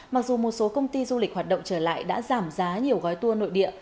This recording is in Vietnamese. mặc dù một số công ty du lịch hoạt động trở lại đã giảm giá nhiều gói tour nội địa